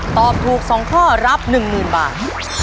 ตอบถูก๒ข้อรับ๑๐๐๐บาท